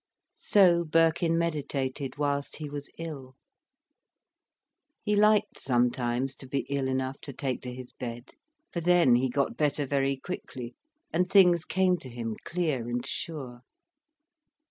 So Birkin meditated whilst he was ill. He liked sometimes to be ill enough to take to his bed. For then he got better very quickly, and things came to him clear and sure.